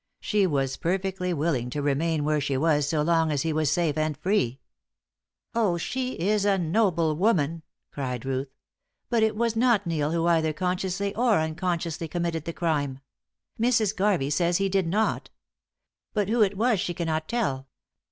She was perfectly willing to remain where she was so long as he was safe and free." "Oh, she is a noble woman!" cried Ruth. "But it was not Neil who either consciously or unconsciously committed the crime; Mrs. Garvey says he did not. But who it was she cannot tell.